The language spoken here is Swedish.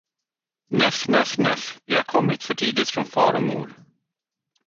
Nöff, nöff, nöff, vi har kommit för tidigt från far och mor.